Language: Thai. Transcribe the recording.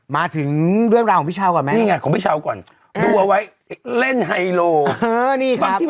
มาถึงเรื่องราวของพี่เช้าก่อน